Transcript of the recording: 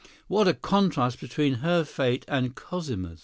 —What a contrast between her fate and Cosima's!